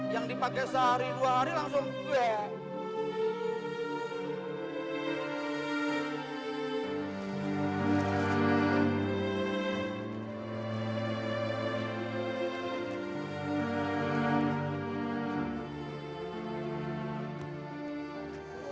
yang dipakai sehari dua hari langsung kue